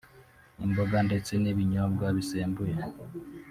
imboga ndetse n’ibinyobwa bisembuye